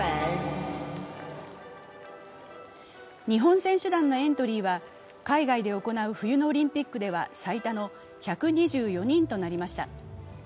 日本選手団のエントリーは海外で行う冬のオリンピックでは最多の１２４人となりました。